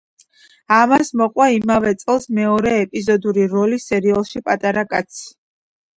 ამას მოჰყვა იმავე წელს მეორე ეპიზოდური როლი სერიალში „პატარა კაცი“.